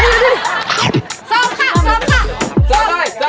เรียบเจ๊เล็กเมนให้กองหูค่ะ